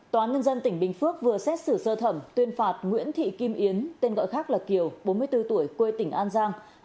tòa án nhân dân tỉnh bình phước vừa xét xử sơ thẩm tuyên phạt nguyễn thị kim yến tên gọi khác là kiều bốn mươi bốn tuổi quê tỉnh an giang